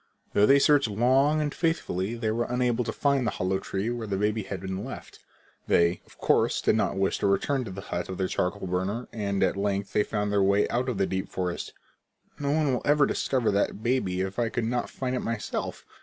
Though they searched long and faithfully they were unable to find the hollow tree where the baby had been left. They, of course, did not wish to return to the hut of the charcoal burner, and at length they found their way out of the deep forest. "No one will ever discover that baby if I could not find it myself!